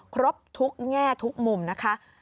ครบทุกแง่ทุกมุมนะคะ